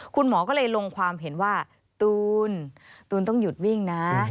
คุณหมอก็เลยลงความเห็นว่าตูนตูนต้องหยุดวิ่งนะ